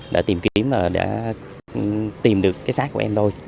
đã tìm kiếm và đã tìm được cái xác của em tôi